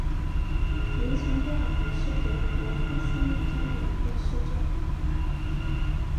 明岑贝尔格是德国黑森州的一个市镇。